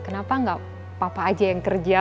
kenapa nggak papa aja yang kerja